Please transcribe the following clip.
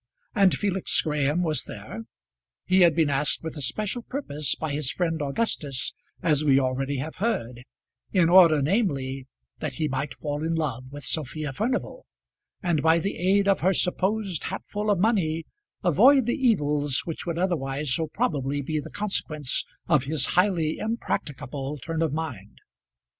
And Felix Graham was there. He had been asked with a special purpose by his friend Augustus, as we already have heard; in order, namely, that he might fall in love with Sophia Furnival, and by the aid of her supposed hatful of money avoid the evils which would otherwise so probably be the consequence of his highly impracticable turn of mind.